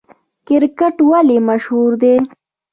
کرکټ ولې مشهور دی؟